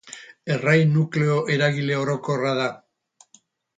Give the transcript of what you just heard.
Errai nukleo eragile orokorra da.